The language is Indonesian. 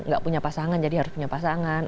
gak punya pasangan jadi harus punya pasangan